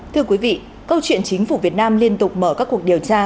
thưa quý vị câu chuyện chính phủ việt nam liên tục mở các cuộc điều tra